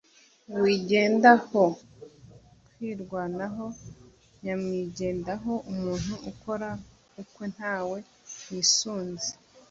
wigendaho: kwirwanaho nyamwigendaho: umuntu ukora ukwe, nta we yisunze